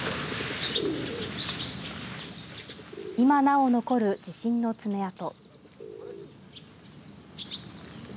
今なお残る地震の爪痕。